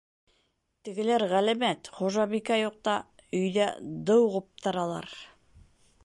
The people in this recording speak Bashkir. Тегеләр ғәләмәт: хужабикә юҡта, өйҙә дыу ҡуптаралар.